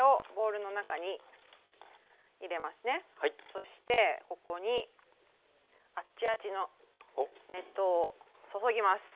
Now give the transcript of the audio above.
そしてここにあっちあちの熱湯を注ぎます。